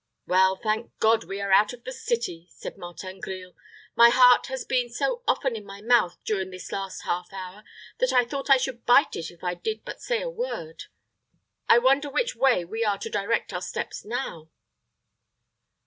"Well, thank God, we are out of the city," said Martin Grille. "My heart has been so often in my mouth during this last half hour, that I thought I should bite it if I did but say a word. I wonder which way we are to direct our steps now."